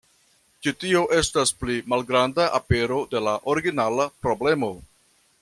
Ĉi tio estas pli malgranda apero de la originala problemo.